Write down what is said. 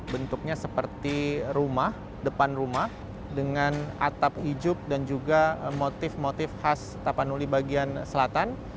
bentuknya seperti rumah depan rumah dengan atap hijau dan juga motif motif khas tapanuli bagian selatan